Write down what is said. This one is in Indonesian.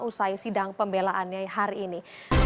usai sidang pembelaannya hari ini